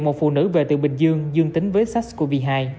một phụ nữ về từ bình dương dương tính với sars cov hai